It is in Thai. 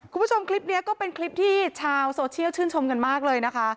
คุณผู้ชมคลิปนี้ก็เป็นคลิปที่ชาวโซเชียลชื่นชมกันมากเลยนะคะ